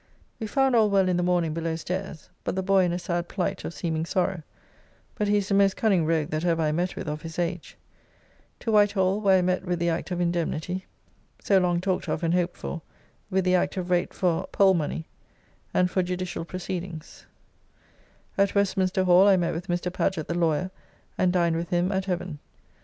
We found all well in the morning below stairs, bu the boy in a sad plight of seeming sorrow; but he is the most cunning rogue that ever I met with of his age. To White Hall, where I met with the Act of Indemnity [12 Car. II. cap. II, an act of free and general pardon, indemnity, and oblivion.] (so long talked of and hoped for), with the Act of Rate for Pole money, an for judicial proceedings. At Westminster Hall I met with Mr. Paget the lawyer, and dined with him at Heaven.